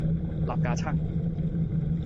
擸架撐